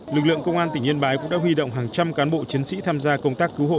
lực lượng công an tỉnh yên bái cũng đã huy động hàng trăm cán bộ chiến sĩ tham gia công tác cứu hộ